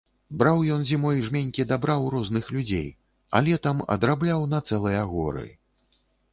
Браў ён зімой жменькі дабра ў розных людзей, а летам адрабляў на цэлыя горы.